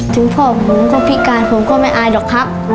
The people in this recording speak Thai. ถึงพ่อผมก็พิการผมก็ไม่อายหรอกครับ